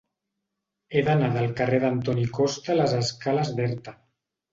He d'anar del carrer d'Antoni Costa a les escales d'Erta.